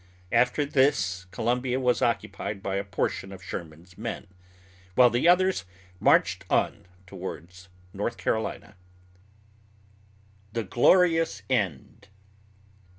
After this Columbia was occupied by a portion of Sherman's men, while the others marched on toward North Carolina. THE GLORIOUS END.